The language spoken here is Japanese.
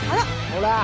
ほら！